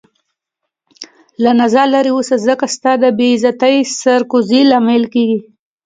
له زنا لرې اوسه ځکه ستا د بی عزتي سر کوزي لامل کيږې